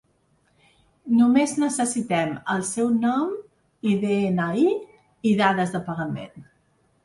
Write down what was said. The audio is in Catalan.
Només necessitem el seu nom i de-ena-i i dades de pagament.